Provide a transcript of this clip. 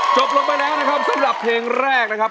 จบลงไปแล้วนะครับสำหรับเพลงแรกนะครับ